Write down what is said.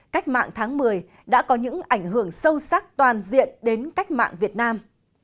cách mạng tháng một mươi đã có những ảnh hưởng sâu sắc toàn diện đến cách mạng việt nam